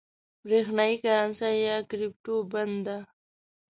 برېښنايي کرنسۍ یا کريپټو بنده ده